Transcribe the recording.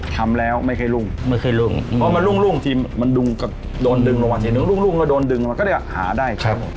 ทำแล้วไม่เคยรุ่งไม่เคยรุ่งเพราะมันรุ่งรุ่งทีมันดุงก็โดนดึงลงอย่างนึงรุ่งรุ่งก็โดนดึงลงก็เรียกว่าหาได้ครับ